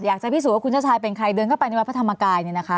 อยากจะพิสูจน์ว่าคุณชาติชายเป็นใครเดินเข้าไปในวัฒนธรรมกาย